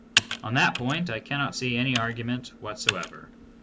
On that point I cannot see any argument what soever.